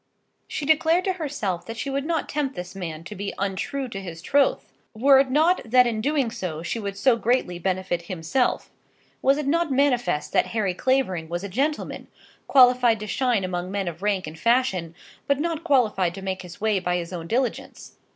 She declared to herself that she would not tempt this man to be untrue to his troth, were it not that in doing so she would so greatly benefit himself. Was it not manifest that Harry Clavering was a gentleman, qualified to shine among men of rank and fashion, but not qualified to make his way by his own diligence?